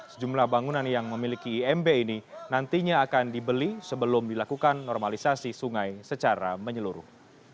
sejumlah bangunan yang memiliki imb ini nantinya akan dibeli sebelum dilakukan normalisasi sungai secara menyeluruh